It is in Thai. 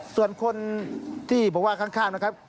ส่วนคนที่บอกว่าข้างนะครับ